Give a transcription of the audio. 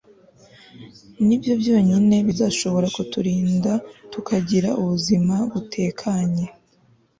ni byo byonyine bizashobora kuturinda tukagira ubuzima butekanye